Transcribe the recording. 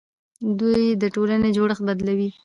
دوی د ټولنې جوړښت بدلوي.